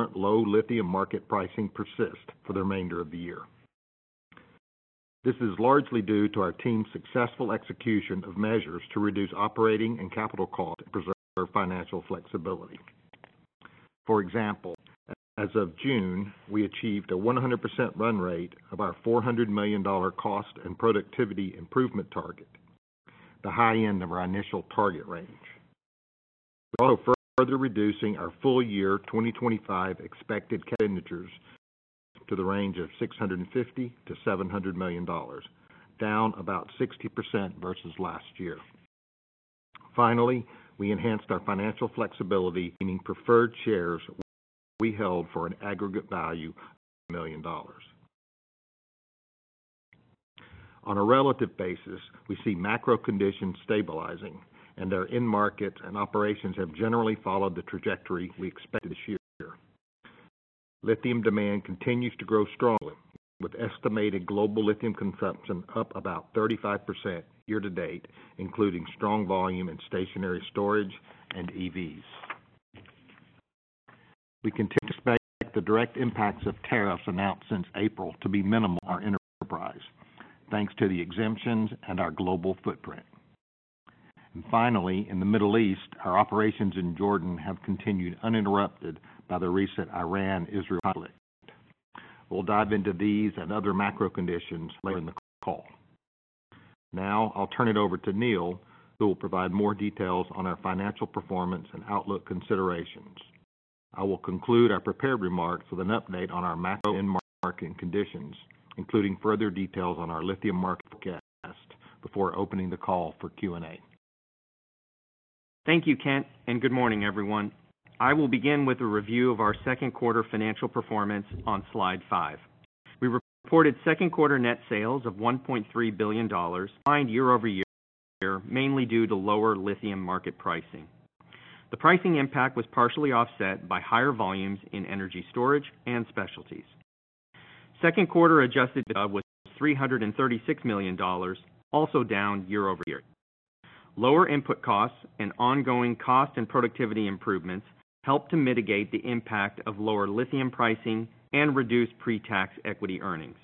Current low lithium market pricing persist for the remainder of the year. This is largely due to our team's successful execution of measures to reduce operating and capital cost and preserve financial flexibility. For example, as of June we achieved a 100% run rate of our $400 million cost and productivity improvement target, the high-end of our initial target range. We are also further reducing our full-year 2025 expected capital expenditures to the range of $650-$700 million, down about 60% versus last year. Finally, we enhanced our financial flexibility, meaning preferred shares we held for an aggregate value of $1,000,000. On a relative basis, we see macro conditions stabilizing and our end market and operations have general followed the trajectory we expected this year. Lithium demand continues to grow strongly, with estimated global lithium consumption up about 35% year to date, including strong volume in stationary storage and EVs. We continue to expect the direct impacts of tariffs announced since April to be minimal on our enterprise thanks to the exemptions and our global footprint. In the Middle East, our operations in Jordan have continued uninterrupted by the recent Iran-Israel conflict. We'll dive into these and other macro conditions later in the call. Now I'll turn it over to Neal who will provide more details on our financial performance and outlook considerations. I will conclude our prepared remarks with an update on our macro end market conditions including further details on our lithium market forecast before opening the call for Q&A. Thank you, Kent, and good morning, everyone. I will begin with a review of our second quarter financial performance on slide V. We reported second-quarter net sales of $1.3 billion, down year-over-year mainly due to lower lithium market pricing. The pricing impact was partially offset by higher volumes in energy storage and specialties. Second quarter adjusted EBITDA was $336 million, also down year-over-year. Lower input costs and ongoing cost and productivity improvements helped to mitigate the impact of lower lithium pricing and reduced pre-tax equity earnings.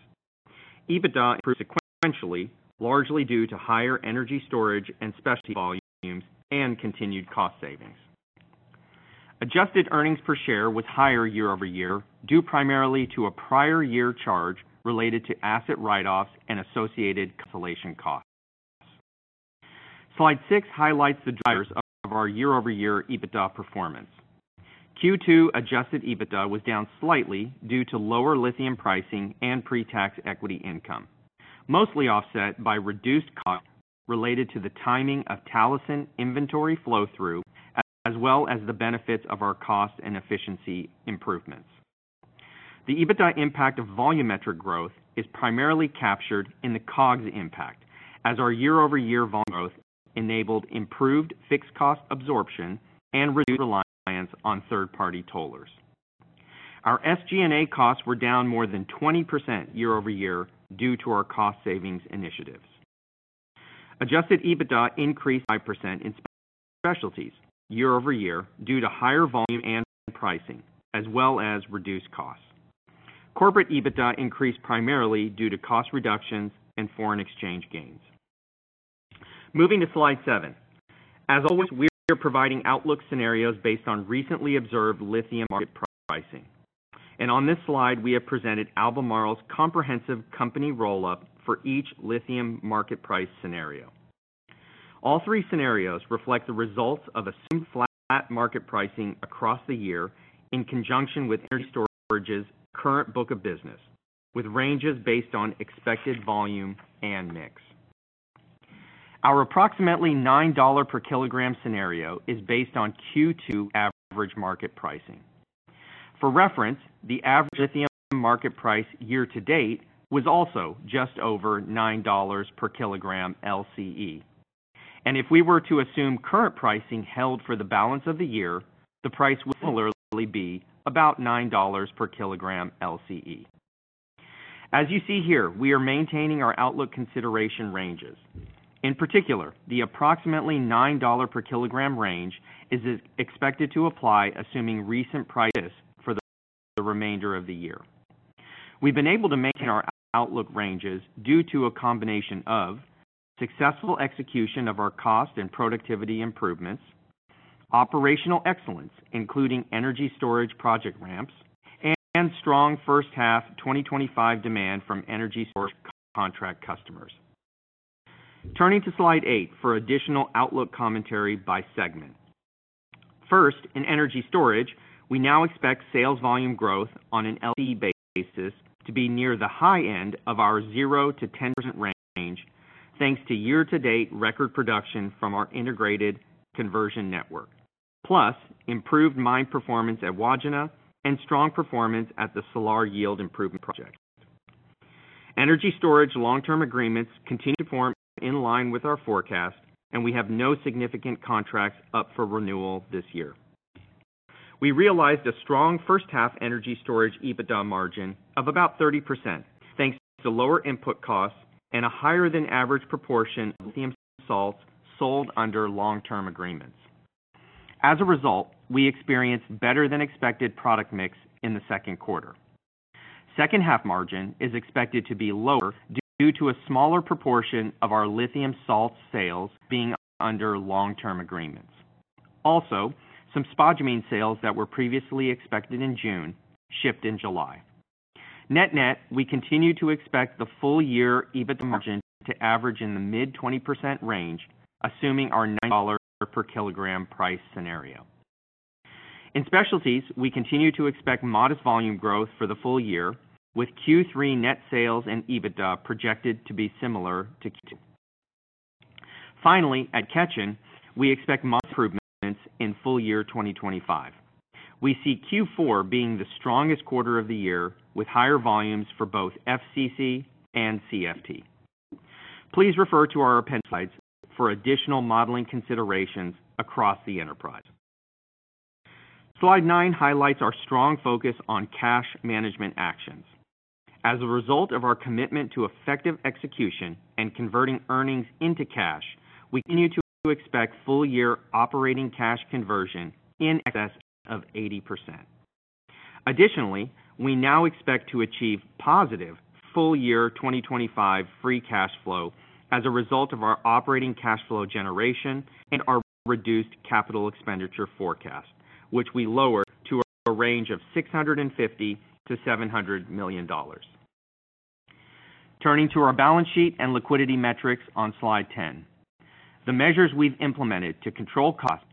EBITDA improved sequentially largely due to higher energy storage and specialty volumes and continued cost savings. Adjusted earnings per share was higher year-over-year due primarily to a prior year charge related to asset write-offs and associated cancellation costs. Slide VI highlights the drivers of our year-over-year EBITDA performance. Q2 adjusted EBITDA was down slightly due to lower lithium pricing and pre-tax equity income, mostly offset by reduced cost related to the timing of Talison inventory flow-through as well as the benefits of our cost and efficiency improvements. The EBITDA impact of volumetric growth is primarily captured in the COGS impact as our year-over-year volume growth enabled improved fixed cost absorption and reduced reliance on third-party tollers. Our SG&A costs were down more than 20% year-over-year due to our cost savings initiatives. Adjusted EBITDA increased 5% in specialties year-over-year due to higher volume and pricing as well as reduced costs. Corporate EBITDA increased primarily due to cost reductions and foreign exchange gains. Moving to slide VII, as always, we are providing outlook scenarios based on recently observed lithium market pricing, and on this slide we have presented Albemarle's comprehensive company roll-up for each lithium market price scenario. All three scenarios reflect the results of assumed flat market pricing across the year in conjunction with energy storage's current book of business, with ranges based on expected volume and mix. Our approximately $9 per kg scenario is based on Q2 average market pricing. For reference, the average lithium market price year to date was also just over $9 per kg LCE, and if we were to assume current pricing held for the balance of the year, the price would similarly be about $9 per kg LCE. As you see here, we are maintaining our outlook consideration ranges. In particular, the approximately $9 per kg range is expected to apply assuming recent price for the remainder of the year. We've been able to maintain our outlook ranges due to a combination of successful execution of our cost and productivity improvements, operational excellence including energy storage project ramps, and strong first half 2025 demand from energy storage contract customers. Turning to slide VIII for additional outlook commentary by segment. First, in energy storage, we now expect sales volume growth on an LCE basis to be near the high end of our 0%-10% range thanks to year-to-date record production from our integrated conversion network, plus improved mine performance at Wodgina and strong performance at the Salar Yield Improvement Project. Energy storage long-term agreements continue to form in line with our forecast, and we have no significant contracts up for renewal. This year, we realized a strong first half energy storage EBITDA margin of about 30% thanks to lower input costs and a higher than average proportion of lithium salts sold under long-term agreements. As a result, we experienced better than expected product mix in the second quarter. Second-half margin is expected to be lower due to a smaller proportion of our lithium salts sales being under long-term agreements. Also, some spodumene sales that were previously expected in June shipped in July. Net net, we continue to expect the full year EBITDA margin to average in the mid 20% range assuming our $9 per kg price scenario. In specialties, we continue to expect modest volume growth for the full year with Q3 net sales and EBITDA projected to be similar to Q3. Finally, at Ketjen, we expect modest improvements in full year 2025. We see Q4 being the strongest quarter of the year with higher volumes for both FCC and CFT. Please refer to our Appendix slides for additional modeling considerations across the enterprise. slide IX highlights our strong focus on cash management actions. As a result of our commitment to effective execution and converting earnings into cash, we continue to expect full-year operating cash conversion in excess of 80%. Additionally, we now expect to achieve positive full-year 2025 free cash flow as a result of our operating cash flow generation and our reduced capital expenditure forecast, which we lowered to a range of $650-$700 million. Turning to our balance sheet and liquidity metrics on slide X, the measures we've implemented to control cost,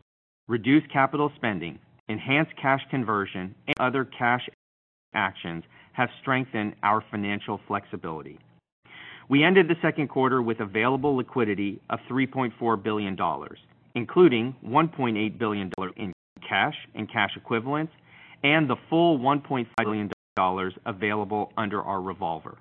reduce capital spending, enhance cash conversion, and other cash actions have strengthened our financial flexibility. We ended the second quarter with available liquidity of $3.4 billion, including $1.8 billion in cash and cash equivalents and the full $1.5 billion available under our revolver.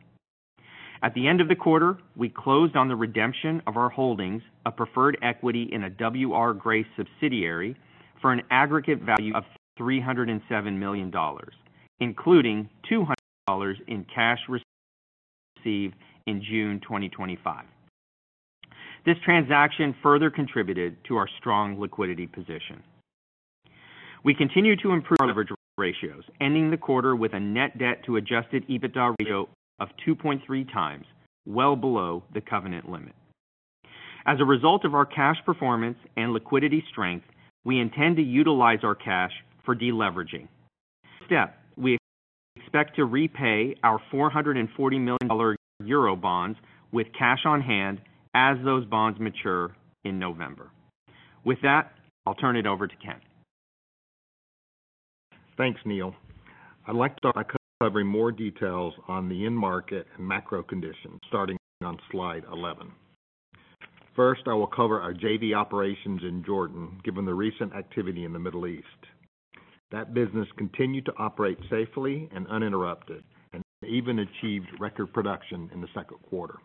At the end of the quarter, we closed on the redemption of our holdings, a preferred equity in a W.R. Grace subsidiary, for an aggregate value of $307 million, including $200 million in cash received in June 2025. This transaction further contributed to our strong liquidity position. We continue to improve our leverage ratios, ending the quarter with a net debt to adjusted EBITDA ratio of 2.3x, well below the covenant limit. As a result of our cash performance and liquidity strength, we intend to utilize our cash for deleveraging step. We expect to repay our $440 million euro bonds with cash on hand as those bonds mature in November. With that, I'll turn it over to Kent. Thanks Neal. I'd like to start by covering more details on the end market and macro conditions starting on slide XI. First, I will cover our JV operations in Jordan. Given the recent activity in the Middle East, that business continued to operate safely and uninterrupted and even achieved record production in the second quarter.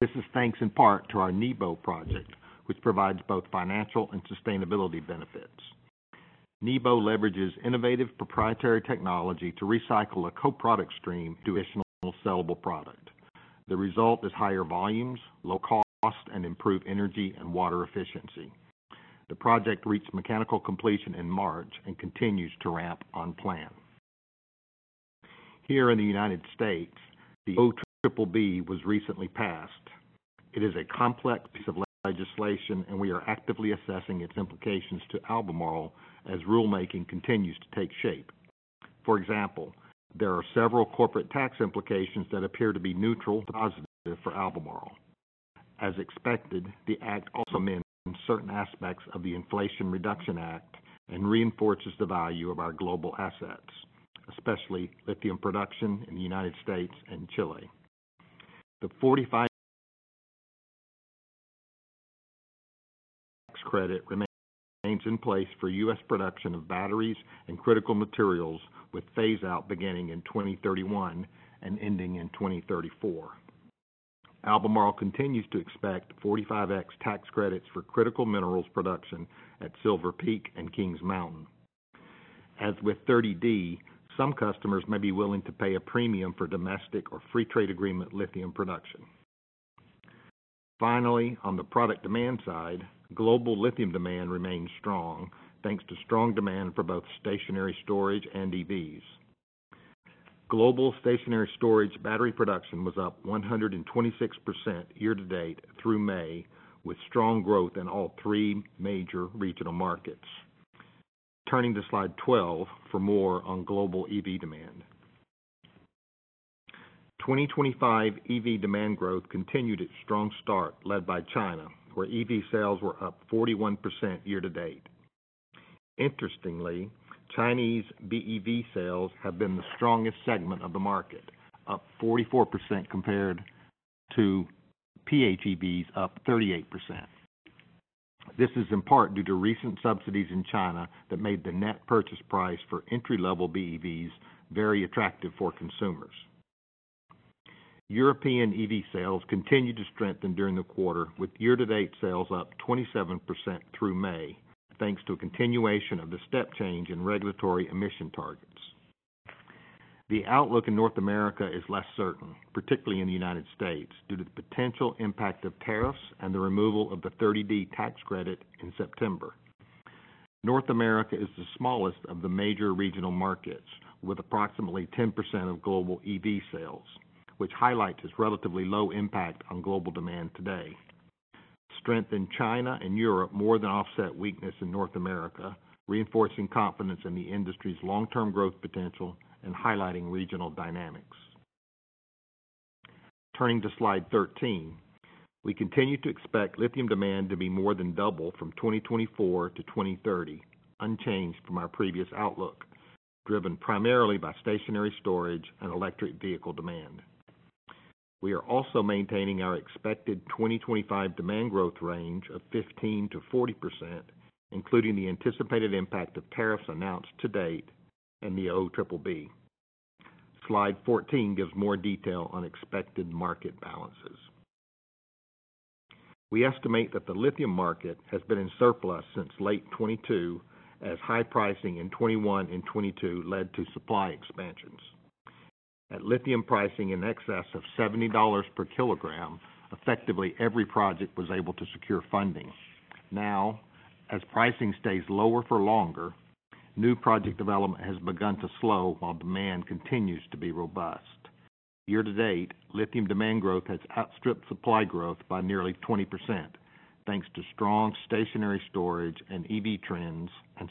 This is thanks in part to our NEBO Project, which provides both financial and sustainability benefits. NEBO leverages innovative proprietary technology to recycle a co-product stream to additional sellable product. The result is higher volumes, low cost, and improved energy and water efficiency. The project reached mechanical completion in March and continues to ramp on plan here in the United States. The OBBB was recently passed. It is a complex piece of legislation, and we are actively assessing its implications to Albemarle as rulemaking continues to take shape. For example, there are several corporate tax implications that appear to be neutral to positive for Albemarle. As expected, the act also amends certain aspects of the Inflation Reduction Act and reinforces the value of our global assets, especially lithium product in the United States and Chile. The 45X credit remains in place for U.S. production of batteries and critical materials, with phaseout beginning in 2031 and ending in 2034. Albemarle continues to expect 45X tax credit for critical minerals production at Silver Peak and Kings Mountain. As with 30D, some customers may be willing to pay a premium for domestic or free trade agreement lithium production. Finally, on the product demand side, global lithium demand remains strong thanks to strong demand for both stationary storage and EVs. Global stationary storage battery production was up 126% year to date through May with strong growth in all three major regional markets. Turning to slide XII for more on global EV demand. 2025 EV demand growth continued its strong start, led by China where EV sales were up 41% year to date. Interestingly, Chinese BEV sales have been the strongest segment of the market, up 44% compared to PHEVs, up 38%. This is in part due to recent subsidies in China that made the net purchase price for entry level BEVs very attractive for consumers. European EV sales continued to strengthen during the quarter with year to date sales up 27% through May thanks to a continuation of the step change in regulatory emission targets. The outlook in North America is less certain, particularly in the United States, due to the potential impact of tariffs and the removal of the 30D tax credit in September. North America is the smallest of the major regional markets with approximately 10% of global EV sales, which highlights its relatively low impact on global demand today. Strength in China and Europe more than offset weakness in North America, reinforcing confidence in the industry's long term growth potential and highlighting regional dynamics. Turning to slide XIII, we continue to expect lithium demand to be more than double from 2024-2030, unchanged from our previous outlook driven primarily by stationary storage and electric vehicle demand. We are also maintaining our expected 2025 demand growth range of 15%-40%, including the anticipated impact of tariffs announced to date in the OBBB. Slide XIV gives more detail on expected market balances. We estimate that the lithium market has been in surplus since late 2022, as high pricing in 2021 and 2022 led to supply expansions at lithium pricing in excess of $70 per kg. Effectively, every project was able to secure funding. Now, as pricing stays lower for longer, new project development has begun to slow while demand continues to be robust. Year to date, lithium demand growth has outstripped supply growth by nearly 20% thanks to strong stationary storage and EV trends and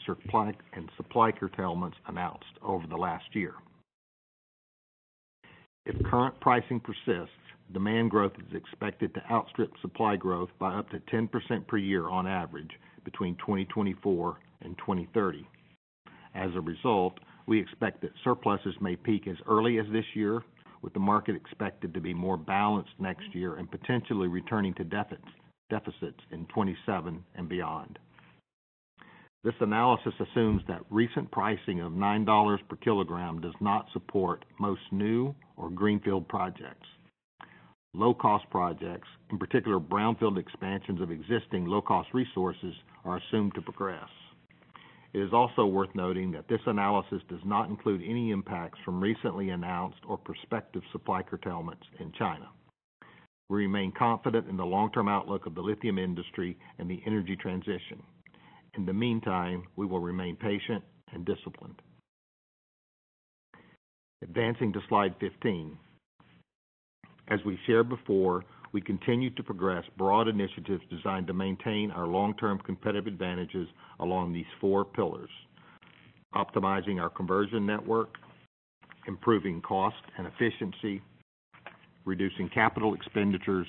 supply curtailments announced over the last. If current pricing persists, demand growth is expected to outstrip supply growth by up to 10% per year on average between 2024 and 2030. As a result, we expect that surpluses may peak as early as this year, with the market expected to be more balanced next year and potentially returning to deficits in 2027 and beyond. This analysis assumes that recent pricing of $9 per kg does not support most greenfield projects. Low cost projects, in particular brownfield expansions of existing low cost resources, are assumed to progress. It is also worth noting that this analysis does not include any impacts from recently announced or prospective supply curtailments in China. We remain confident in the long-term outlook of the lithium industry and the energy transition. In the meantime, we will remain patient and disciplined. Advancing to slide XV, as we shared before, we continue to progress broad initiatives designed to maintain our long-term competitive advantages along these four pillars: optimizing our conversion network, improving cost and efficiency, reducing capital expenditures,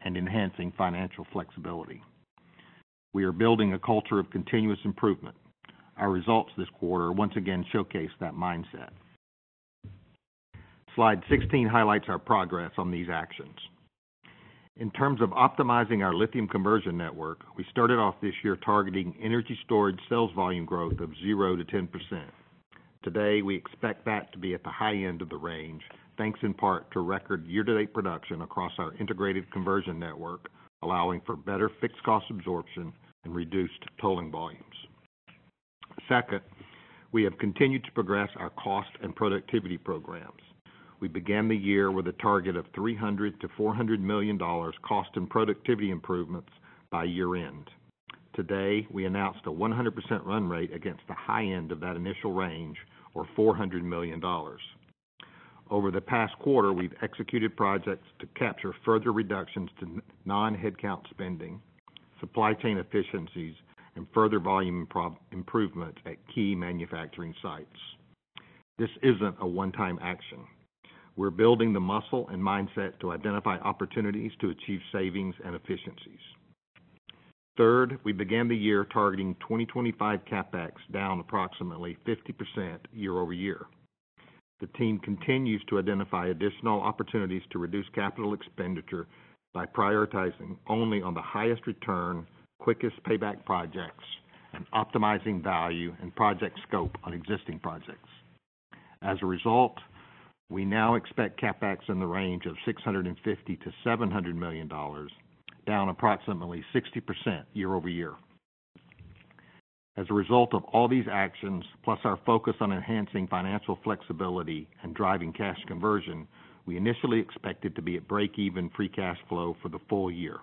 and enhancing financial flexibility. We are building a culture of continuous improvement. Our results this quarter once again showcase that mindset. Slide XVI highlights our progress on these actions. In terms of optimizing our lithium conversion network, we started off this year targeting energy storage sales volume growth of 0%-10%. Today we expect that to be at the high end of the range, thanks in part to record year to date production across our integrated conversion network, allowing for better fixed cost absorption and reduced tolling volumes. Second, we have continued to progress our cost and productivity programs. We began the year with a target of $300-$400 million cost and productivity improvements by year end. Today we announced a 100% run rate against the high end of that initial range, or $400 million. Over the past quarter, we've executed projects to capture further reductions to non-headcount spending, supply chain efficiencies, and further volume improvement at key manufacturing sites. This isn't a one time action. We're building the muscle and mindset to identify opportunities to achieve savings and efficiencies. Third, we began the year targeting 2025 CapEx down approximately 50% year-over-year. The team continues to identify additional opportunities to reduce capital expenditures by prioritizing only the highest return, quickest payback projects and optimizing value and project scope on existing projects. As a result, we now expect CapEx in the range of $650-$700 million, down approximately 60% year-over-year. As a result of all these actions plus our focus on enhancing financial flexibility and driving cash conversion, we initially expected to be at break-even free cash flow for the full year.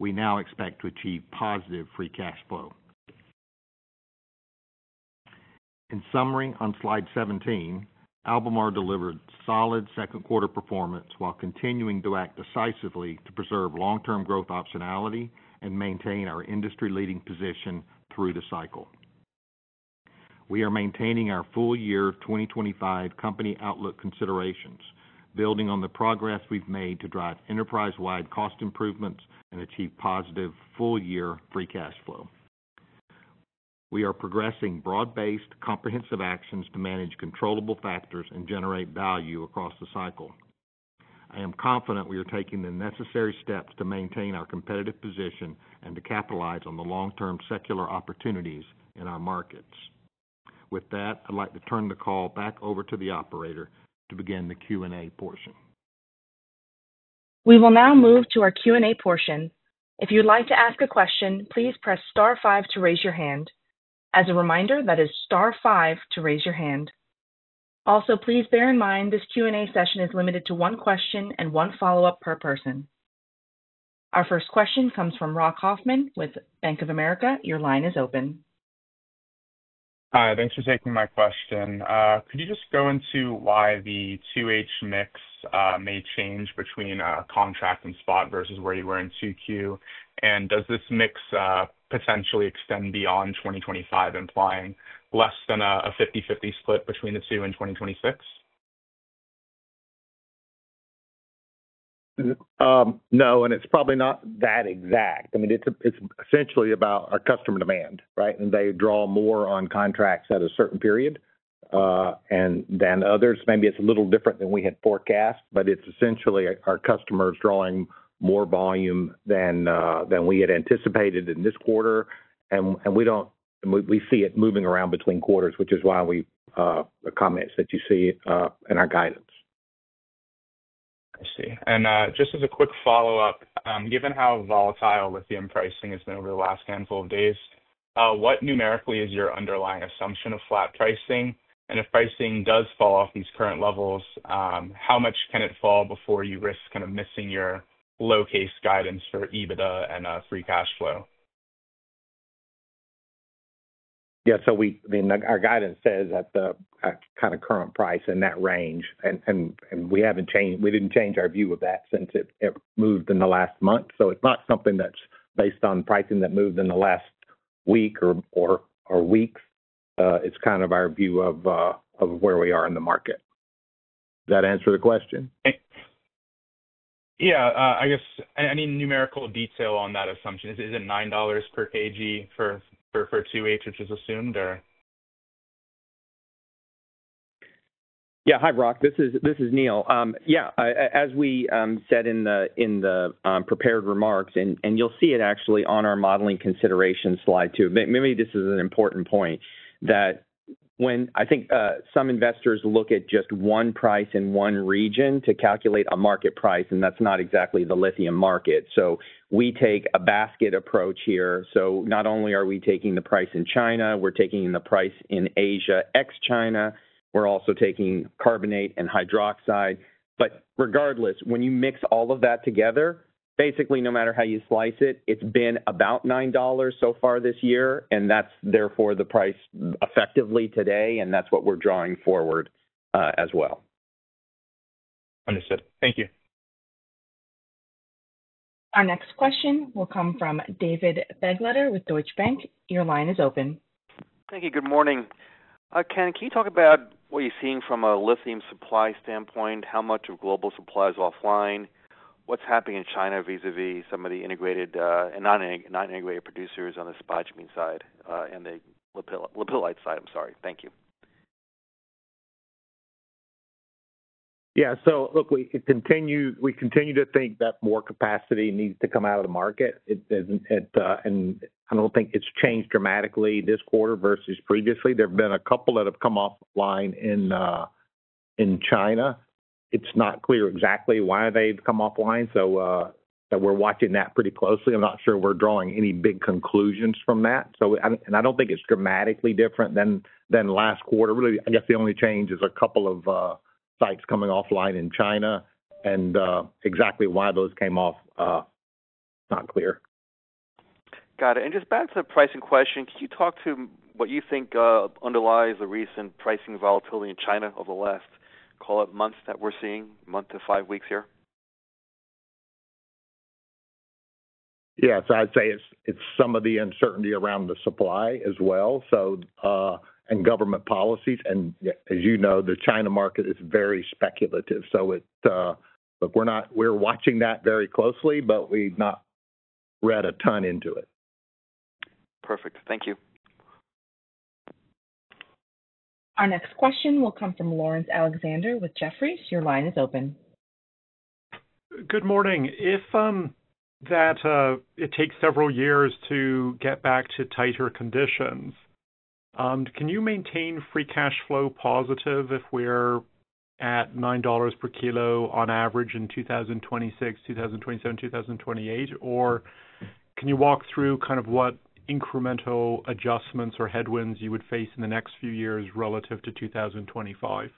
We now expect to achieve positive free cash flow. In summary on slide XVII, Albemarle delivered solid second quarter performance while continuing to act decisively to preserve long term growth optionality and maintain our industry leading position through the cycle. We are maintaining our full-year 2025 company outlook considerations, building on the progress we've made to drive enterprise wide cost improvements and achieve positive full-year free cash flow. We are progressing broad-based comprehensive actions to manage controllable factors and generate value across the cycle. I am confident we are taking the necessary steps to maintain our competitive position and to capitalize on the long term secular opportunities in our markets. With that, I'd like to turn the call back over to the operator to begin the Q&A portion. We will now move to our Q&A portion. If you'd like to ask a question, please press star five to raise your hand. As a reminder, that is star five to raise your hand. Also, please bear in mind this Q&A session is limited to one question and one follow-up per person. Our first question comes from Rock Hoffman with Bank of America. Your line is open. Hi, thanks for taking my question. Could you just go into why the 2H mix may change between contract and spot versus where you were in 2Q, and does this mix potentially extend beyond 2025, implying less than a 50/50 split. Between the two in 2026? No, and it's probably not that exact. I mean it's essentially about our customer demand, right? They draw more on contracts at a certain period than others. Maybe it's a little different than we had forecast, but it's essentially our customers drawing more volume than we had anticipated in this quarter, and we see it moving around between quarters, which is why the comments that you see in our guidance I see. Just as a quick follow up, given how volatile lithium pricing has been over the last handful of days, what numerically is your underlying assumption of flat pricing? If pricing does fall off these current levels, how much can it fall before you risk kind of missing your low case guidance for EBITDA and free cash flow? Yeah, our guidance says that the kind of current price in that range, and we haven't changed. We didn't change our view of that since it moved in the last month. It's not something that's based on pricing that moved in the last week or weeks. It's kind of our view of where we are in the market. That answer the question? Yeah, I guess. Any numerical detail on that assumption? Is it $9 per kg for 2H which is assumed or. Yeah. Hi Rock, this is Neal. As we said in the prepared remarks and you'll see it actually on our modeling consideration slide II, maybe this is an important point that when I think some investors look at just one price in one region to calculate a market price and that's not exactly the lithium market. We take a basket approach here. Not only are we taking the price in China, we're taking the price in Asia x China. We're also taking carbonate and hydroxide. Regardless, when you mix all of that together, basically no matter how you slice it, it's been about $9 so far this year and that's therefore the price effectively today. That's what we're drawing forward as well. Understood, thank you. Our next question will come from David Begleiter with Deutsche Bank. Your line is open. Thank you. Good morning, Kent. Can you talk about what you're seeing from a lithium supply standpoint? How much of global supply is offline, what's happening in China vis-à-vis some of the integrated and non-integrated producers on the spot side and the lapilli side? Thank you. Yeah, we continue to think that more capacity needs to come out of the market. I don't think it's changed dramatically this quarter versus previously. There have been a couple that have come offline in China. It's not clear exactly why they've come offline. We're watching that pretty closely. I'm not sure we're drawing any big conclusions from that. I don't think it's dramatically different than last quarter. I guess the only change is a couple of sites coming offline in China and exactly why those came off is not clear. Got it. Just back to the pricing question, can you talk to what you think underlies the recent pricing volatility in China over the last, call it, month to five weeks that we're seeing here. Yes, I'd say it's some of the uncertainty around the supply as well, and government policies. As you know, the China market is very speculative. We're watching that very closely, but we've not read a ton into it. Perfect. Thank you. Our next question will come from Laurence Alexander with Jefferies. Your line is open. Good morning. If that it takes several years to get back to tighter conditions, can you maintain free cash flow positive if we're at $9 per kilo on average in 2026, 2027, 2028? Or can you walk through kind of what incremental adjustments or headwinds you would face in the next few years relative to 2025?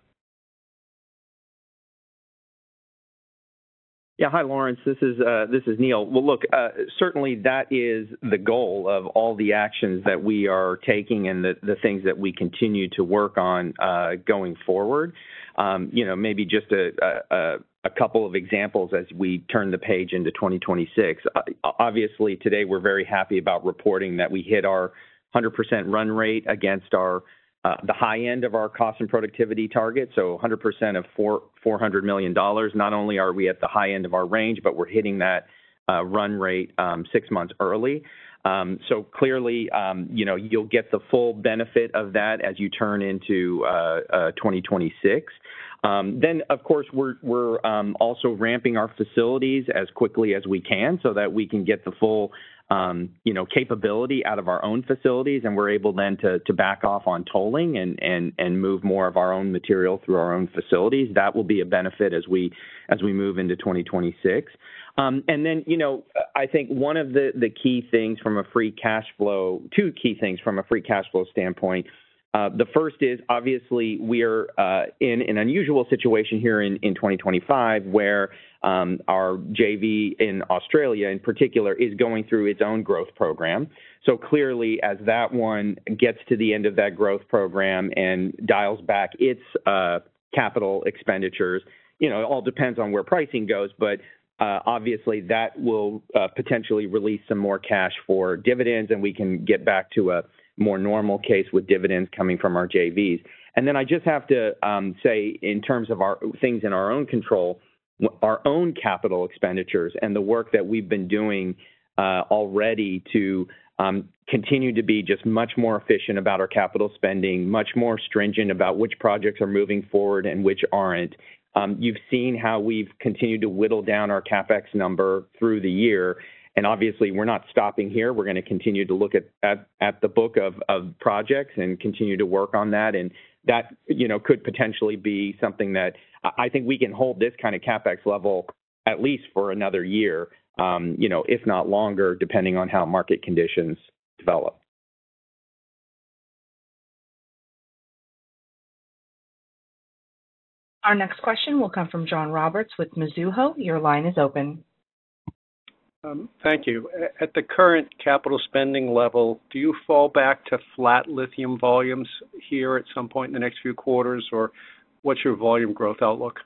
Yeah. Hi, Laurence, this is Neal. Certainly that is the goal of all the actions that we are taking and the things we are working on going forward. Maybe just a couple of examples as we turn the page into 2026. Obviously, today we're very happy about reporting that we hit our 100% run rate against the high end of our cost and productivity target. So 100% of $400 million. Not only are we at the high end of our range, but we're hitting that run rate six months early. Clearly, you'll get the full benefit of that as you turn into 2026. Of course, we're also ramping our facilities as quickly as we can so that we can get the full capability out of our own facilities, and we're able then to back off on tolling and move more of our own material through our own facilities. That will be a benefit as we move into 2026. I think one of the key things from a free cash flow standpoint, two key things from a free cash flow standpoint, the first is obviously we are in an unusual situation here in 2025 where our JV in Australia in particular is going through its own growth program. Clearly, as that one gets to the end of that growth program and dials back its capital expenditures, it all depends on where pricing goes. Obviously, that will potentially release some more cash for dividends and we can get back to a more normal case with dividends coming from our JVs. I just have to say in terms of things in our own control, our own capital expenditures and the work that we've been doing already to continue to be just much more efficient about our capital spending, much more stringent about which projects are moving forward and which aren't. You've seen how we've continued to whittle down our CapEx number through the year, and obviously we're not stopping here. We're going to continue to look at the book of projects and continue to work on that. That could potentially be something that I think we can hold this kind of CapEx level at least for another year, if not longer depending on how market conditions develop. Our next question will come from John Roberts with Mizuho. Your line is open. Thank you. At the current capital spending level, do you fall back to flat lithium volumes here at some point in the next few quarters, or what's your volume growth outlook?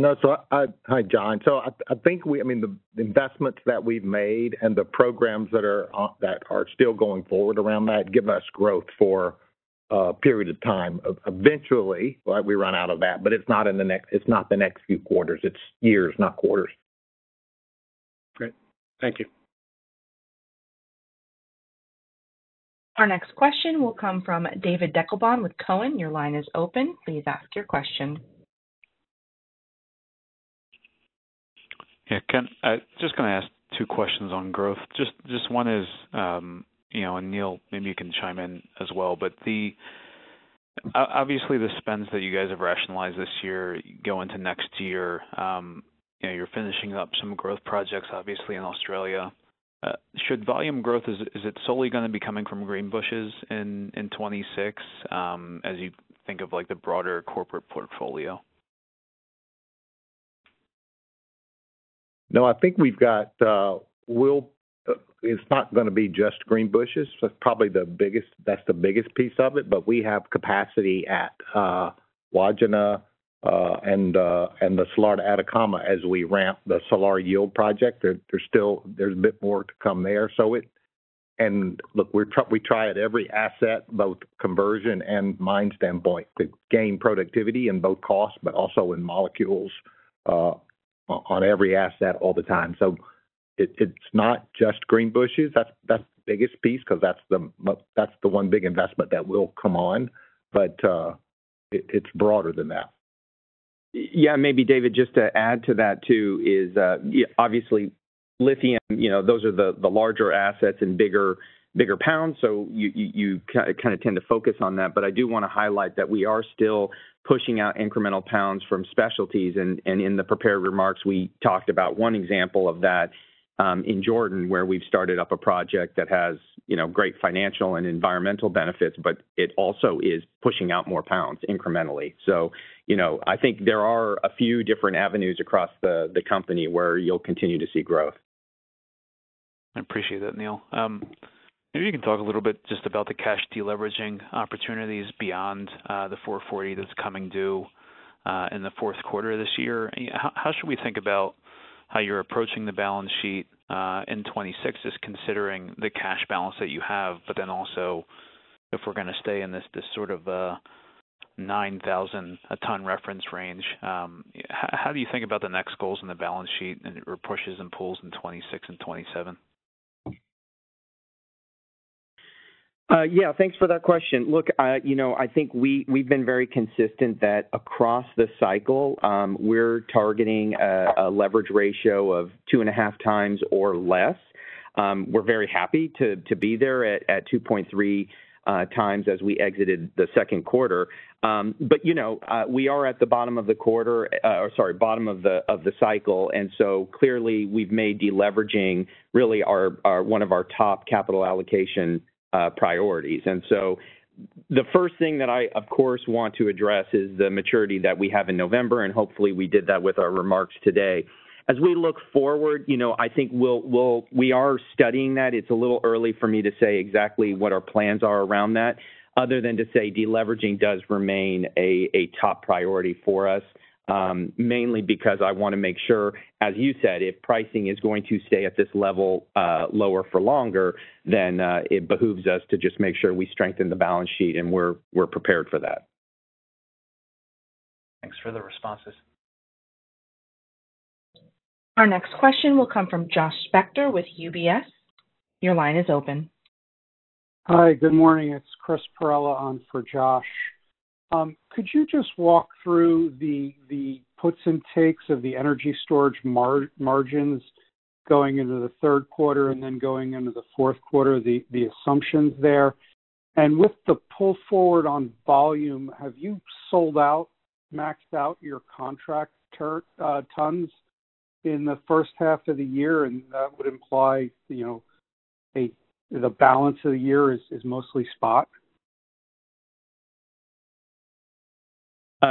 Hi John. I think we, I mean the investments that we've made and the programs that are still going forward around that give us growth for a period of time. Eventually we run out of that. It's not in the next few quarters, it's years, not quarters. Great, thank you. Our next question will come from David Deckelbaum with Cowen. Your line is open. Please ask your question. Kent, I'm just going to ask two questions on growth. Just one is, you know, Neal, maybe you can chime in as well, but obviously the spends that you guys have rationalized this year go into next year. You know you're finishing up some growth projects, obviously in Australia. Should volume growth, is it solely going to be coming from Greenbushes in 2026 as you think of like the broader corporate portfolio? No, I think we've got will. It's not going to be just Greenbushes, probably the biggest, that's the biggest piece of it. We have capacity at Wodgina and the Salar de Atacama as we ramp the Salar yield project. There's a bit more to come there, and look, we try at every asset, both conversion and mine standpoint, to gain productivity in both costs but also in molecules on every asset all the time. It's not just Greenbushes. That's the biggest piece because that's the one big investment that will come on, but it's broader than that. Yeah, maybe David, just to add to that too is obviously lithium. Those are the larger assets and bigger pounds, so you kind of tend to focus on that. I do want to highlight that we are still pushing out incremental pounds from specialties, and in the prepared remarks we talked about one example of that in Jordan where we've started up a project that has great financial and environmental benefits, but it also is pushing out more pounds incrementally. I think there are a few different avenues across the company where you'll continue to see growth. I appreciate that, Neal. Maybe you can talk a little bit just about the cash deleveraging opportunities beyond the $440 million that's coming due in the fourth quarter of this year. How should we think about how you're approaching the balance sheet in 2026, just considering the cash balance that you have? If we're going to stay in this sort of $9,000 a ton reference range, how do you think about the next goals in the balance sheet or pushes and pulls in 2026 and 2027? Yeah, thanks for that question. Look, I think we've been very consistent that across the cycle we're targeting a leverage ratio of 2.5x or less. We're very happy to be there at 2.3x as we exited the second quarter. We are at the bottom of the quarter, or sorry, bottom of the cycle. Clearly we've made deleveraging really one of our top capital allocation priorities. The first thing that I of course want to address is the maturity that we have in November and hopefully we did that with our remarks today. As we look forward, I think we are studying that. It's a little early for me to say exactly what our plans are around that other than to say deleveraging does remain a top priority for us, mainly because I want to make sure, as you said, if pricing is going to stay at this level lower for longer, then it behooves us to just make sure we strengthen the balance sheet. We're prepared for that. Thanks for the responses. Our next question will come from Josh Spector with UBS. Your line is open. Hi, good morning, it's Chris Perrella on for Josh. Could you just walk through the puts and takes of the energy storage margins going into the third quarter and then going into the fourth quarter, the assumptions there, and with the pull forward on volume, have you sold out, maxed out your contract tons in the first half of the year? That would imply the balance of the year is mostly spot.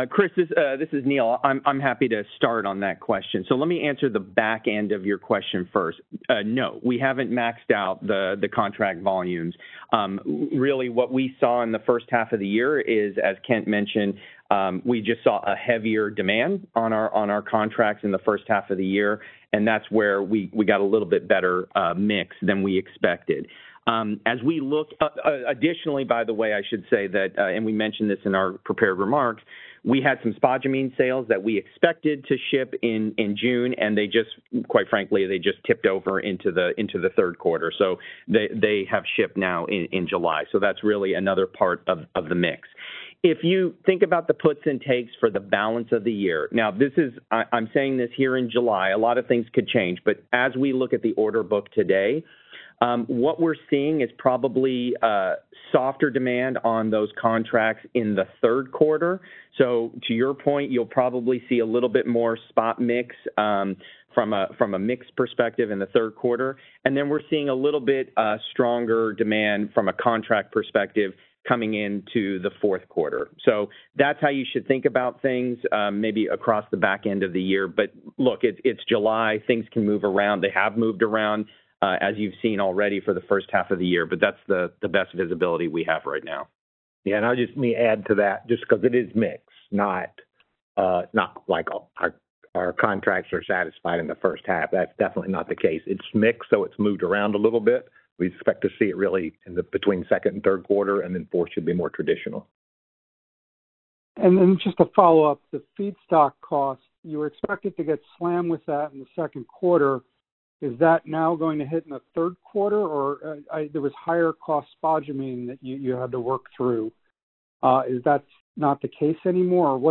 Chris, this is Neal. I'm happy to start on that question. Let me answer the back end of your question first. No, we haven't maxed out the contract volumes. What we saw in the first half of the year is, as Kent mentioned, we just saw a heavier demand on our contracts in the first half of the year and that's where we got a little bit better mix than we expected as we look. Additionally, we mentioned this in our prepared remarks, we had some spodumene sales that we expected to ship in June and they just, quite frankly, tipped over into the third quarter. They have shipped now in July. That's really another part of the mix. If you think about the push and takes for the balance of the year, now this is, I'm saying this here in July, a lot of things could change. As we look at the order book today, what we're seeing is probably softer demand on those contracts in the third quarter. To your point, you'll probably see a little bit more spot mix from a mix perspective in the third quarter and then we're seeing a little bit stronger demand from a contract perspective coming into the fourth quarter. That's how you should think about things maybe across the back end of the year. It's July. Things can move around. They have moved around as you've seen already for the first half of the year. That's the best visibility we have right now. Yeah, I'll just add to that because it is mixed, not like our contracts are satisfied in the first half. That's definitely not the case. It's mixed, so it's moved around a little bit. We expect to see it really in the between second and third quarter, and then fourth should be more traditional. Just to follow up, the feedstock cost, you were expected to get slammed with that in the second quarter. Is that now going to hit in the third quarter, or there was higher cost spodumene that you had to work through? Is that not the case anymore?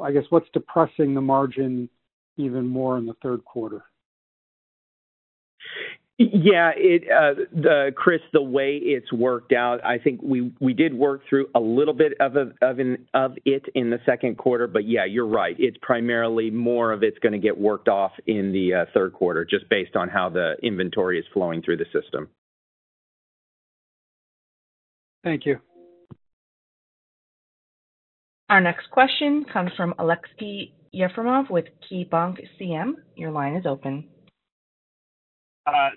I guess what's depressing the margin even more in the third quarter? Yeah, Chris, the way it's worked out, I think we did work through a little bit of it in the second quarter. You're right, it's primarily more of it's going to get worked off in the third quarter just based on how the inventory is flowing through the system. Thank you. Our next question comes from Aleksey Yefremov with KeyBanc CM. Your line is open.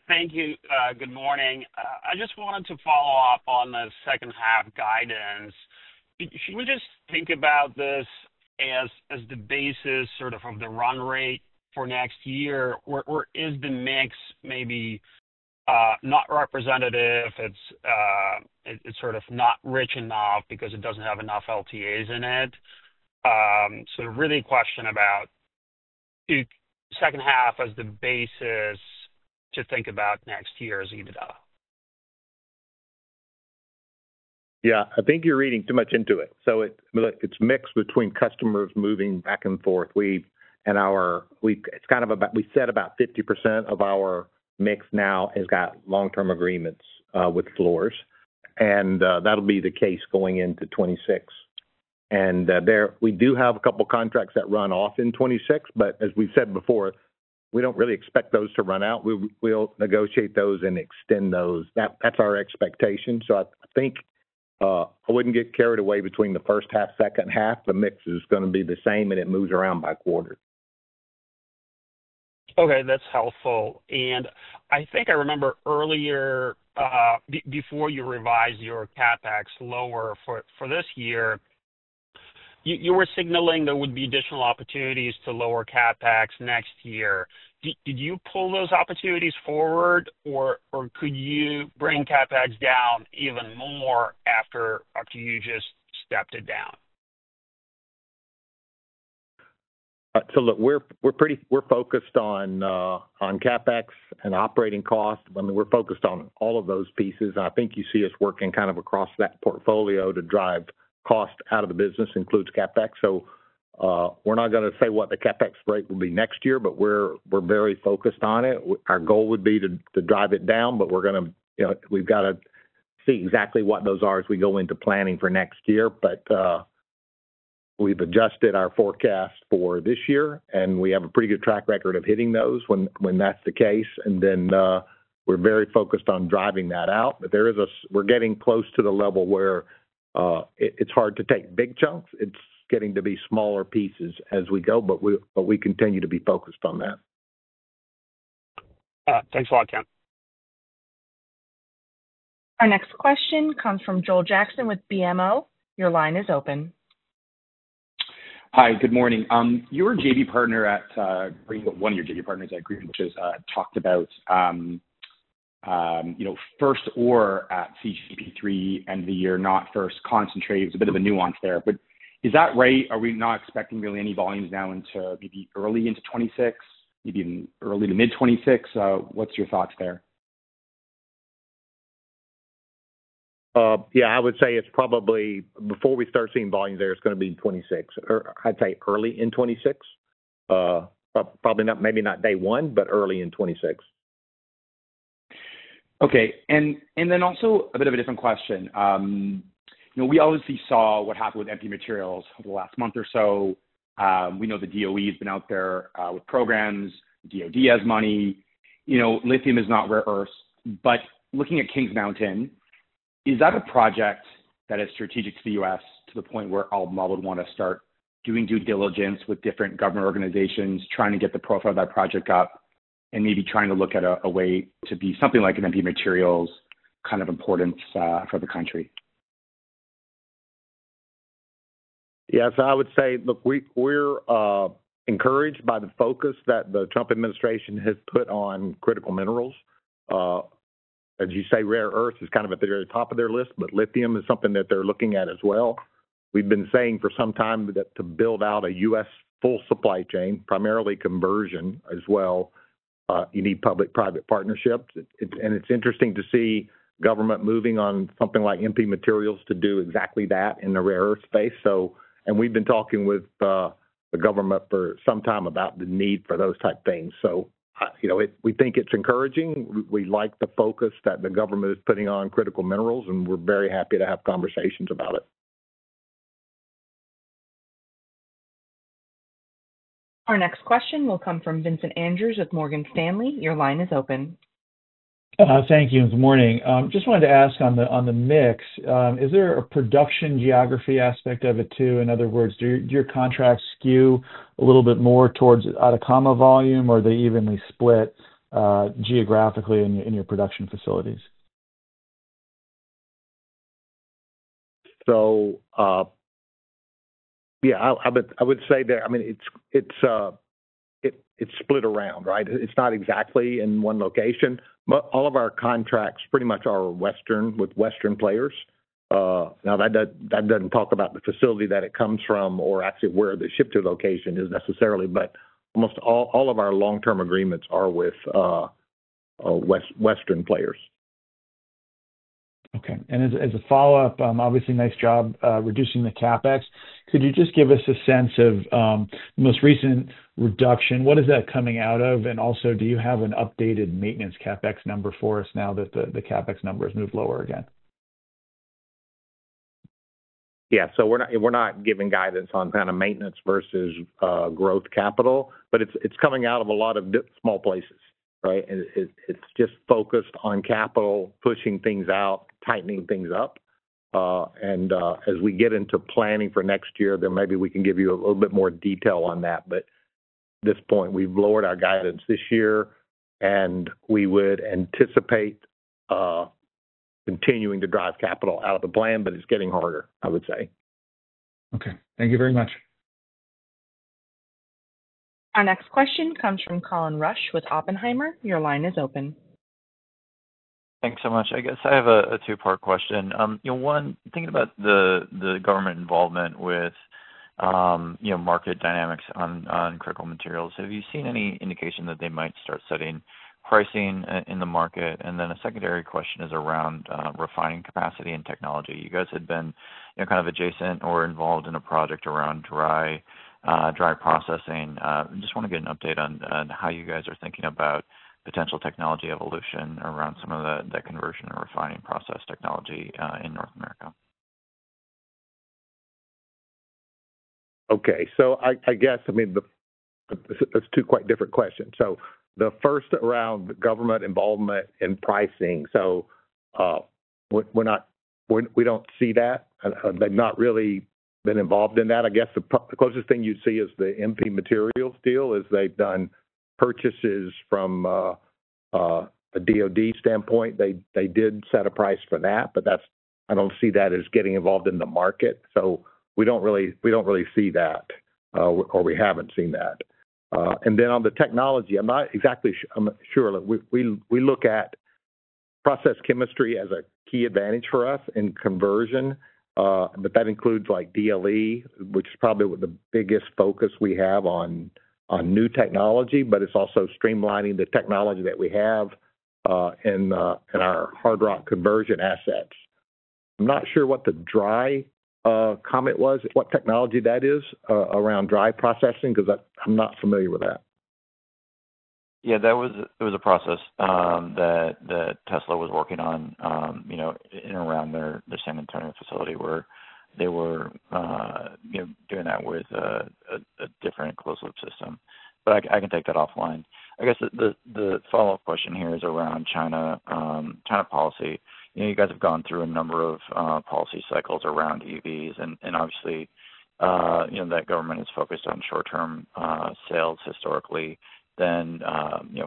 Thank you. Good morning. I just wanted to follow up on the second half guidance. Should we just think about this as the basis of the run rate for next year, or is the mix maybe not representative? It's not rich enough because it doesn't have enough LTAs in it. Really a question about second half as the basis to think about next year as you develop. I think you're reading too much into it. It's a mix between customers moving back and forth. We said about 50% of our mix now has got long-term agreements with floors and that'll be the case going into 2026. There, we do have a couple contracts that run off in 2026, but as we said before, we don't really expect those to run out. We'll negotiate those and extend those. That's our expectation. I wouldn't get carried away between the first half and second half. The mix is going to be the same and it moves around by quarter. Okay, that's helpful. I think I remember earlier, before you revised your CapEx lower for this year, you were signaling there would be additional opportunities to lower CapEx next year. Did you pull those opportunities forward or could you bring CapEx down even more after you just stepped it down? We're focused on CapEx and operating costs. We're focused on all of those pieces. I think you see us working across that portfolio to drive cost out of the business, including CapEx. We're not going to say what the CapEx rate will be next year, but we're very focused on it. Our goal would be to drive it down, but we've got to see exactly what those are as we go into planning for next year. We've adjusted our forecast for this year and we have a pretty good track record of hitting those when that's the case. We're very focused on driving that out. There is a point where we're getting close to the level where it's hard to take big chunks. It's getting to be smaller pieces as we go. We continue to be focused on that. Thanks a lot, Kent. Our next question comes from Joel Jackson with BMO. Your line is open. Hi, good morning. Your JV partner at one of your JV partners at Greenbushes talked about. You. Know, first or at CCP3 end of the year? Not first. Concentrate. It's a bit of a nuance there, but is that right? Are we not expecting really any volumes now until maybe early into 2026, maybe even early to mid 2026? What's your thoughts there? Yeah, I would say it's probably before we start seeing volumes there, it's going to be 2026 or I'd say early in 2026. Probably not, maybe not day one, but early in 2026. Okay. Also, a bit of a different question. We obviously saw what happened with MP Materials over the last month or so. We know the DOE has been out there with programs. DoD has money. You know, lithium is not rare earth. Looking at Kings Mountain, is that a project that is strategic to the U.S. to the point where Albemarle would want to start doing due diligence with different government organizations, trying to get the profile of that project up and maybe trying to look at a way to be something like an MP Materials kind of importance for the country? Yes, I would say. Look, we're encouraged by the focus that the Trump administration has put on critical minerals. As you say, rare earth is kind of at the very top of their list, but lithium is something that they're looking at as well. We've been saying for some time that to build out a U.S. full supply chain, primarily conversion as well, you need public-private partnerships. It's interesting to see government moving on something like MP Materials to do exactly that in the rare earth space. We've been talking with the government for some time about the need for those type things. We think it's encouraging. We like the focus that the government is putting on critical minerals and we're very happy to have conversations about it. Our next question will come from Vincent Andrews of Morgan Stanley. Your line is open. Thank you. Good morning. Just wanted to ask on the mix, is there a production geography aspect of it too? In other words, do your contracts skew a little bit more towards Atacama volume or are they evenly split geographically in your production facilities? Yeah, I would say that. I mean it's split around. It's not exactly in one location. All of our contracts pretty much are western with western players. That doesn't talk about the facility that it comes from or actually where the ship to location is necessarily, but almost all of our long term agreements are with western players. Okay. Obviously, nice job reducing the CapEx. Could you just give us a sense of the most recent reduction? What is that coming out of? Also, do you have an updated maintenance CapEx number for us now that the CapEx numbers move lower again? We're not giving guidance on kind of maintenance versus growth capital, but it's coming out of a lot of small places. It's just focused on capital, pushing things out, tightening things up. As we get into planning for next year, maybe we can give you a little bit more detail on that. At this point, we've lowered our guidance this year and we would anticipate continuing to drive capital out of the plan. It's getting harder, I would say. Okay, thank you very much. Our next question comes from Colin Rusch with Oppenheimer. Your line is open. Thanks so much. I guess I have a two-part question. One, thinking about the government involvement with market dynamics on critical materials. Have you seen any indication that they might start setting pricing in the market? A secondary question is around refining capacity and technology. You guys had been kind of adjacent or involved in a project around dry processing. Just want to get an update on how you guys are thinking about potential technology evolution around some of the conversion and refining process technology in North America. Okay, I guess that's two quite different questions. The first around government involvement in pricing, we don't see that, we've not really been involved in that. I guess the closest thing you see is the MP Materials deal, as they've done purchases from a DoD standpoint. They did set a price for that, but I don't see that as getting involved in the market. We don't really see that or we haven't seen that. On the technology, I'm not exactly sure. We look at process chemistry as a key advantage for us in conversion. That includes things like DLE, which is probably the biggest focus we have on new technology, but it's also streamlining the technology that we have in our hard rock conversion assets. I'm not sure what the dry comment was, what technology that is around dry processing, because I'm not familiar with that. Yeah, that was a process that Tesla was working on in, around the San Antonio facility where they were doing that with a different closed loop system. I can take that offline. I guess the follow up question here is around China policy. You guys have gone through a number of policy cycles around EVs and obviously that government is focused on short term sales historically, then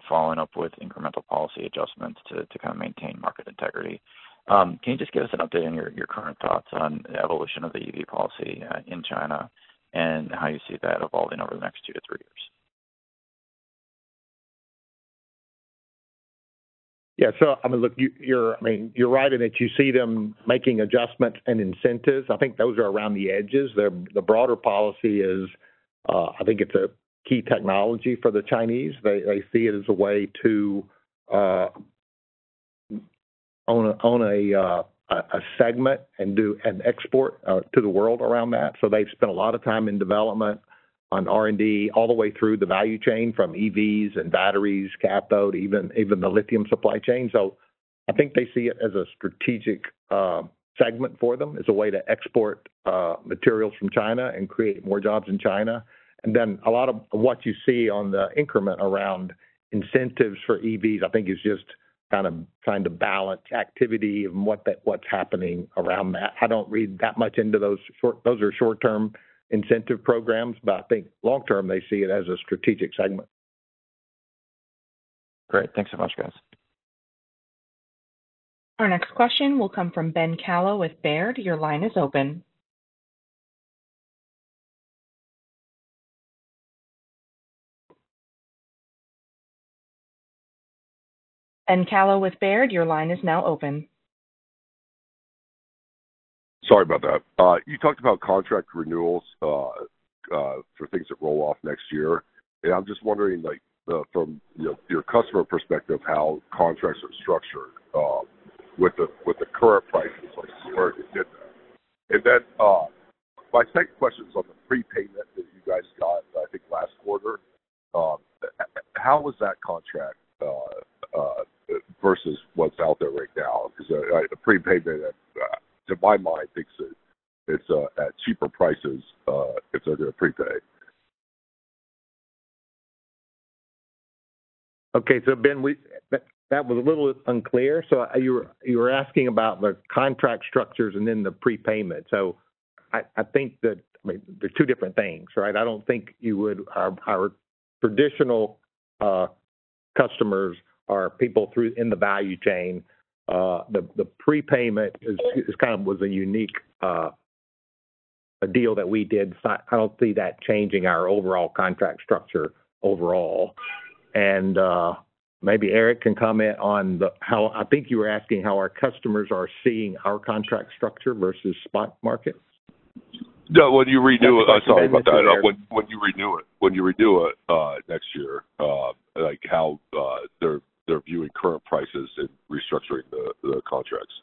following up with incremental policy adjustments to maintain market integrity. Can you just give us an update on your current thoughts on evolution of the EV policy in China and how you see that evolving over the next two to three years? Yeah, I mean look, you're right in that you see them making adjustments and incentives. I think those are around the edges. The broader policy is, I think it's a key technology for the Chinese. They see it as a way to own a segment and do an export to the world around that. They've spent a lot of time in development on R&D all the way through the value chain from EVs and batteries, cathode, even the lithium supply chain. I think they see it as a strategic segment for them as a way to export materials from China and create more jobs in China. A lot of what you see on the increment around incentives for EVs is just kind of trying to balance activity and what's happening around that. I don't read that much into those. Those are short-term incentive programs. I think long term they see it as a strategic segment. Great, thanks so much, guys. Our next question will come from Ben Kallo with Baird. Your line is open. Sorry about that. You talked about contract renewals for things that roll off next year. I'm just wondering, from your customer perspective, how contracts are structured with the current prices where they did that. My second question is on the prepayment that you guys got, I think last quarter. How was that contract versus what's out there right now? The prepayment to my mind thinks that it's at cheaper prices if they're going to prepay. Ben, that was a little unclear. You were asking about the contract structures and then the prepayment. I think that they're two different things. I don't think you would. Our traditional customers are people through in the value chain. The prepayment kind of was a unique deal that we did. I don't see that changing our overall contract structure. Overall, and maybe Eric can comment on the how. I think you were asking how our customers are seeing our contract structure versus spot market. When you renew it next year, how they're viewing current prices and restructuring the contracts.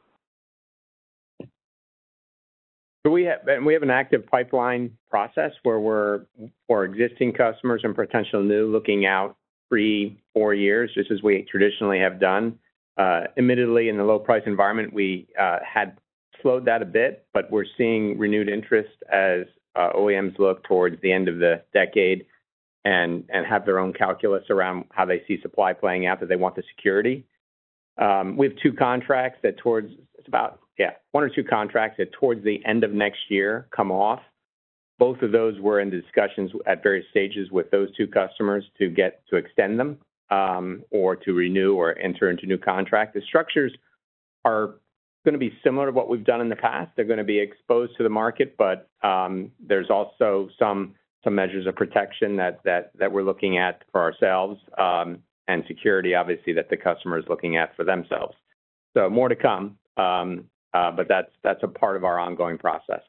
We have an active pipeline process where we're for existing customers and potential new looking out 3, 4 years just as we traditionally have done. Admittedly, in the low price environment we had slowed that a bit. We're seeing renewed interest as OEMs look towards the end of the decade and have their own calculus around how they see supply playing out, that they want the security. We have two contracts that towards. It's about. Yeah. One or two contracts that towards the end of next year come off. Both of those, we're in discussions at various stages with those two customers to get to extend them or to renew or enter into new contract. The structures are going to be similar. To what we've done in the past. They're going to be exposed to the market. There are also some measures of protection that we're looking at for ourselves and security obviously that the customer is looking at for themselves. More to come. That's a part of our ongoing process.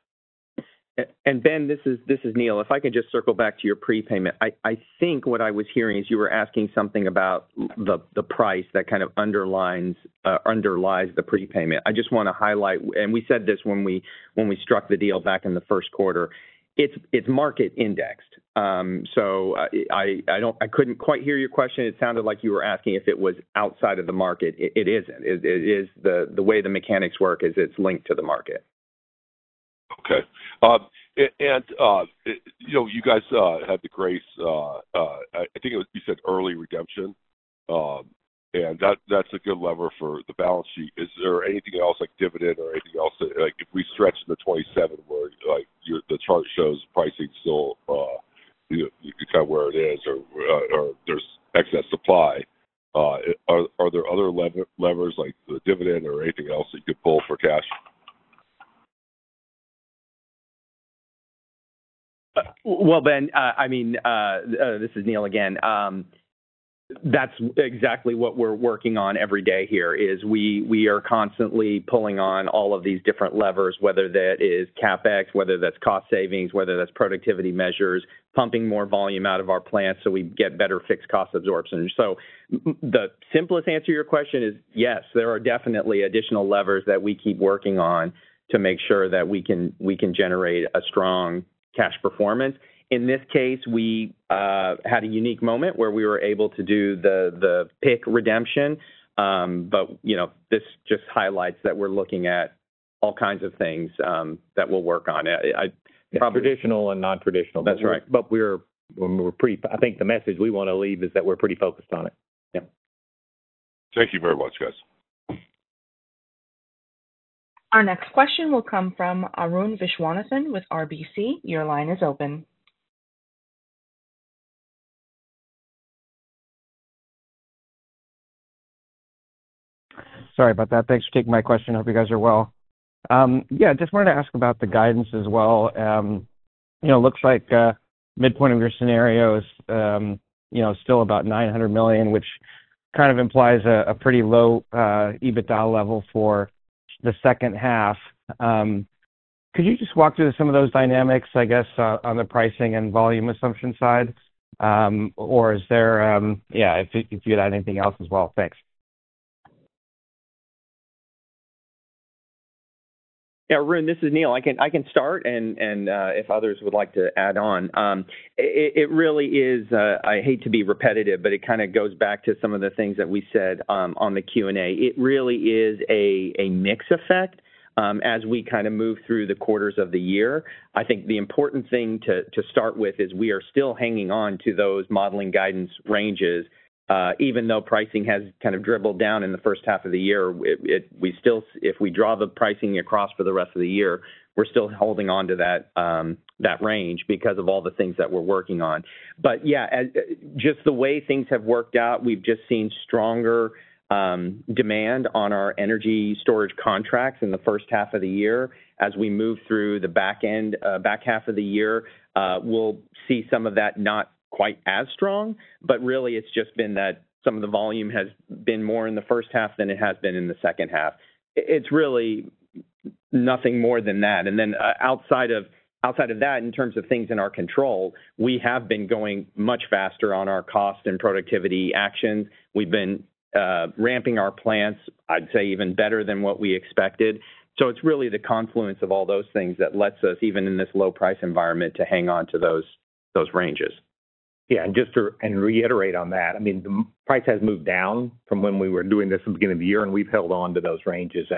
Ben, this is Neal. If I can just circle back to your prepayment. I think what I was hearing is you were asking something about the price that kind of underlines, underlies the prepayment. I just want to highlight, and we said this when we struck the deal back in the first quarter, it's market indexed. I couldn't quite hear your question. It sounded like you were asking if it was outside of the market. It isn't. The way the mechanics work is it's linked to the market. Okay. You guys had the Grace, I think it was. You said early redemption and that's a good lever for the balance sheet. Is there anything else like dividend or anything else? If we stretch to 2027 where the chart shows pricing still kind of where it is, or there's excess supply, are there other levers like the dividend or anything else that you could pull for cash? Ben, I mean, this is Neal again. That's exactly what we're working on every day here. We are constantly pulling on all of these different levers, whether that is CapEx, whether that's cost savings, whether that's productivity measures, pumping more volume out of our plants so we get better fixed cost absorption. The simplest answer to your question is yes, there are definitely additional levers that we keep working on to make sure that we can generate a strong cash performance. In this case, we had a unique moment where we were able to do the PIK redemption. You know, this just highlights that we're looking at all kinds of things that we'll work on, traditional and non-traditional. That's right. I think the message we want to leave is that we're pretty focused on it. Yeah. Thank you very much, guys. Our next question will come from Arun Viswanathan with RBC. Your line is open. Sorry about that. Thanks for taking my question. Hope you guys are well. Just wanted to ask about the guidance as well. Looks like midpoint of your scenario is still about $900 million, which kind of implies a pretty low EBITDA level for the second half. Could you just walk through some of those dynamics, I guess on the pricing and volume assumption side? If you'd add anything else as well. Thanks. Arun, this is Neal. I can start, and if others would like to add on. It really is, I hate to be repetitive, but it kind of goes back to some of the things that we said on the Q&A. It really is a mix effect as we kind of move through the quarters of the year. I think the important thing to start with is we are still hanging on to those modeling guidance ranges even though pricing has kind of dribbled down in the first half of the year. If we draw the pricing across for the rest of the year, we're still holding onto that range because of all the things that we're working on. Just the way things have worked out, we've just seen stronger demand on our energy storage contracts in the first half of the year. As we move through the back half of the year, we'll see some of that, not quite as strong, but really it's just been that some of the volume has been more in the first half than it has been in the second half. It's really nothing more than that. Outside of that, in terms of things in our control, we have been going much faster on our cost and productivity actions. We've been ramping our plants, I'd say even better than what we expected. It's really the confluence of all those things that lets us, even in this low price environment, hang on to those ranges. Yeah, just to reiterate on that. I mean, price has moved down from when we were doing this at the beginning of the year, and we've held on to those ranges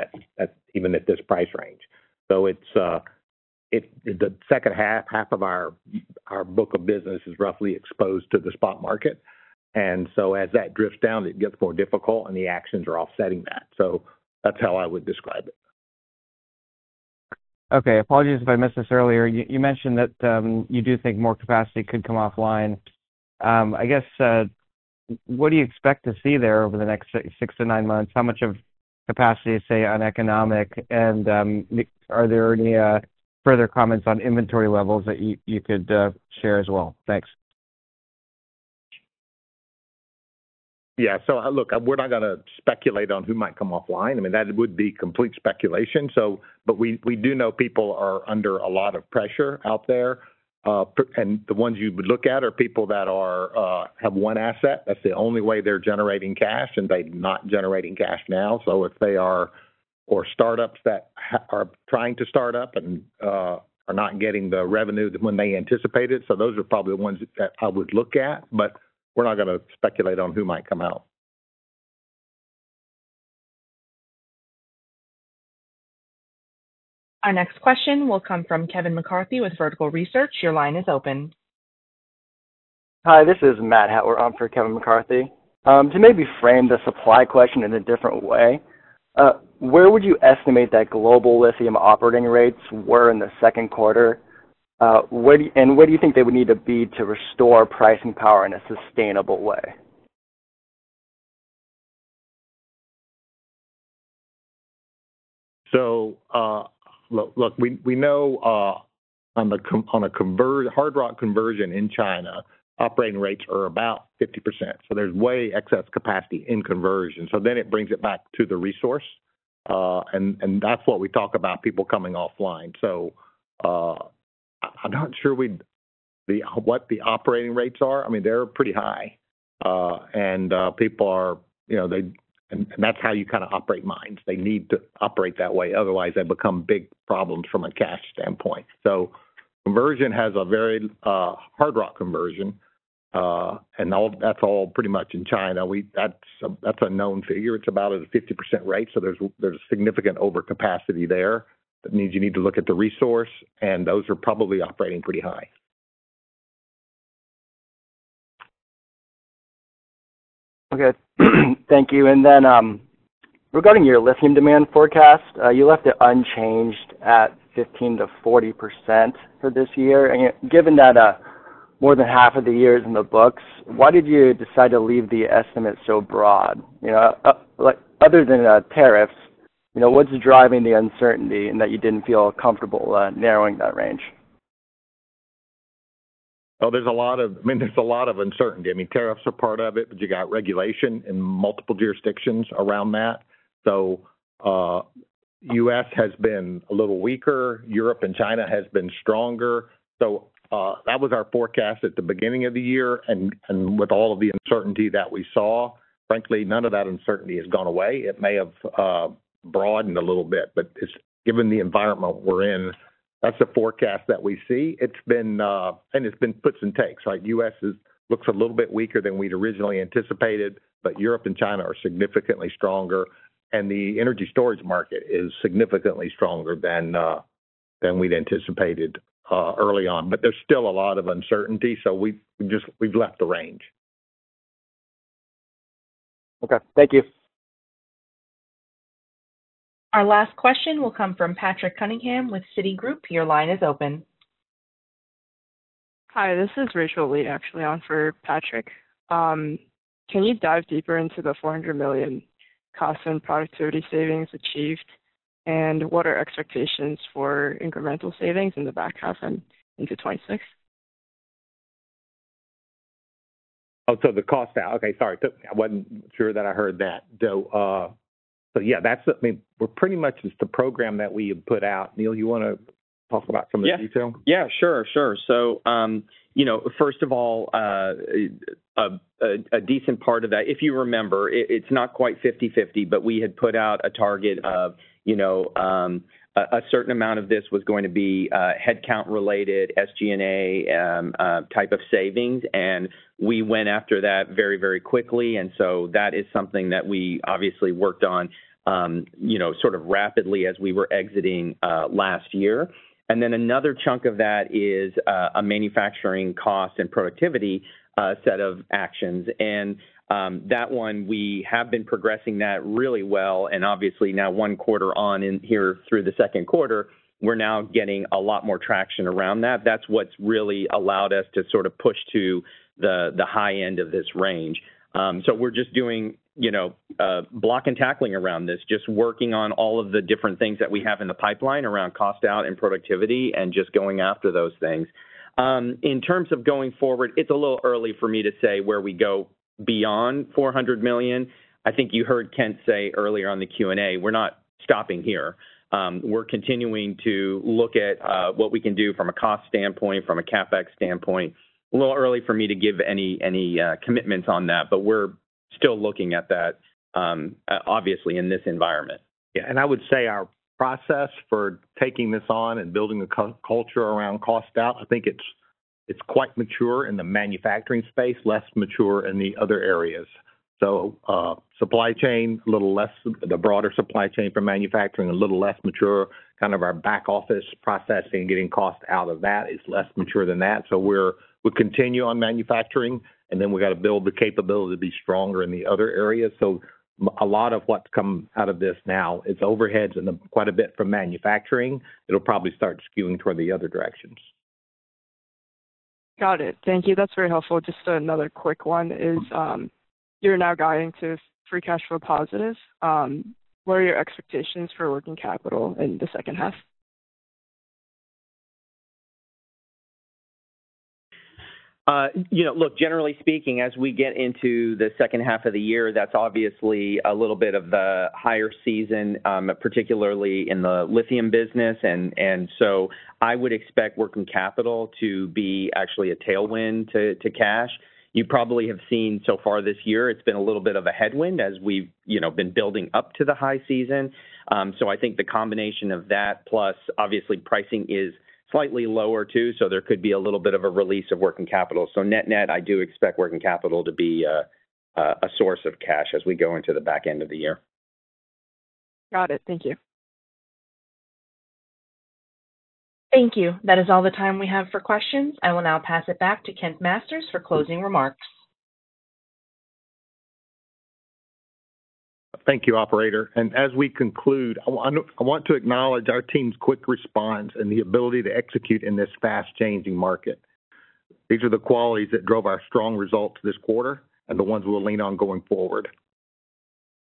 even at this price range. The second half of our book of business is roughly exposed to the spot market, and as that drifts down, it gets more difficult and the actions are offsetting that. That's how I would describe it. Okay, apologies if I missed this earlier. You mentioned that you do think more capacity could come offline. What do you expect to see there over the next six to nine months? How much of capacity is, say, uneconomic and are there any further comments on inventory levels that you could share as well? Thanks. Yeah. Look, we're not going to speculate on who might come offline. That would be complete speculation. We do know people are under a lot of pressure out there, and the ones you would look at are people that have one asset, that's the only way they're generating cash, and they're not generating cash now. If they are startups that are trying to start up and are not getting the revenue when they anticipated, those are probably the ones that I would look at. We're not going to speculate on who might come out. Our next question will come from Kevin McCarthy with Vertical Research. Your line is open. Hi, this is Matthew Hettwer. For Kevin McCarthy, to maybe frame the supply question in a different way, where would you estimate that global lithium operating rates were in the second quarter? Where do you think they would need to be to restore pricing power in a sustainable way? We know on a hard rock conversion in China, operating rates are about 50%. There is way excess capacity in conversion, which brings it back to the resource. That's what we talk about, people coming offline. I'm not sure what the operating rates are. I mean, they're pretty high and people are, you know, they. That's how you kind of operate mines. They need to operate that way, otherwise they become big problems from a cash standpoint. Conversion has a very hard rock conversion, and that's all pretty much in China. That's a known figure. It's about a 50% rate. There is a significant overcapacity there. That means you need to look at the resource, and those are probably operating pretty high. Okay, thank you. Regarding your lithium demand forecast, you left it unchanged at 15%-40% for this year. Given that more than half of the year is in the books, why did you decide to leave the estimate so broad? Other than tariffs, what's driving the uncertainty and that you didn't feel comfortable narrowing that range? There's a lot of uncertainty. Tariffs are part of it, but you have regulation in multiple jurisdictions around that. The U.S. has been a little weaker. Europe and China have been stronger. That was our forecast at the beginning of the year. With all of the uncertainty that we saw, frankly, none of that uncertainty has gone away. It may have broadened a little bit, but given the environment we're in, that's the forecast that we see. It's been puts and takes. Like U.S. looks a little bit weaker than we'd originally anticipated. Europe and China are significantly stronger, and the energy storage market is significantly stronger than we'd anticipated early on. There's still a lot of uncertainty, so we've left the range. Okay, thank you. Our last question will come from Patrick Cunningham with Citigroup. Your line is open. Hi, this is Rachael Lee, actually on for Patrick. Can you dive deeper into the $400 million cost and productivity savings achieved, and what are expectations for incremental savings in the back half and into 2026? Oh, so the cost. Okay, sorry. I wasn't sure that I heard that, but yeah, that's pretty much just the program that we put out. Neal, you want to talk about some of the detail? Yeah, sure. First of all, a decent part of that, if you remember, it's not quite 50/50, but we had put out a target of a certain amount of this was going to be headcount-related SG&A type of savings. We went after that very, very quickly. That is something that we obviously worked on rapidly as we were exiting last year. Another chunk of that is a manufacturing cost and productivity set of actions. We have been progressing that really well. Obviously, now one quarter on in here through the second quarter, we're now getting a lot more traction around that. That's what's really allowed us to push to the high end of this range. We're just doing block and tackling around this, just working on all of the different things that we have in the pipeline around cost out and productivity and just going after those things. In terms of going forward, it's a little early for me to say where we go beyond $400 million. I think you heard Kent say earlier on the Q&A, we're not stopping here. We're continuing to look at what we can do from a cost standpoint, from a CapEx standpoint. It's a little early for me to give any commitments on that, but we're still looking at that obviously in this environment. I would say our process for taking this on and building a culture around cost out, I think it's quite mature in the manufacturing space, less mature in the other areas. Supply chain, little less. The broader supply chain for manufacturing, a little less mature. Kind of our back office processing, getting cost out of that is less mature than that. We'll continue on manufacturing and then we got to build the capability to be stronger in the other areas. A lot of what's come out of this now is overheads and quite a bit from manufacturing. It'll probably start skewing toward the other directions. Got it, thank you, that's very helpful. Just another quick one, is you're now guiding to free cash flow positive. What are your expectations for working capital in the second half? You know, generally speaking, as we get into the second half of the year, that's obviously a little bit of the higher season, particularly in the lithium business. I would expect working capital to be actually a tailwind to cash. You probably have seen so far this year it's been a little bit of a headwind as we've been building up to the high season. I think the combination of that plus obviously pricing is slightly lower too. There could be a little bit of a release of working capital. Net net, I do expect working capital to be a source of cash as we go into the back end of the year. Got it. Thank you. Thank you. That is all the time we have for questions. I will now pass it back to Kent Masters for closing remarks. Thank you, operator. As we conclude, I want to acknowledge our team's quick response and the ability to execute in this fast-changing market. These are the qualities that drove our strong results this quarter and the ones we'll lean on going forward.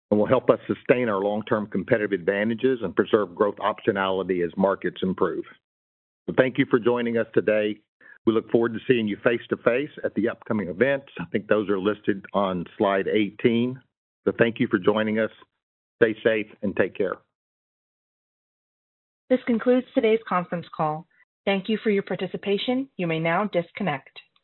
They will help us sustain our long-term competitive advantages and preserve growth optionality as markets improve. Thank you for joining us today. We look forward to seeing you face to face at the upcoming events. I think those are listed on slide XVIII. Thank you for joining us. Stay safe and take care. This concludes today's conference call. Thank you for your participation. You may now disconnect.